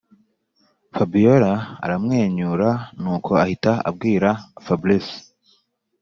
fabiora aramwenyura nuko ahita abwira fabric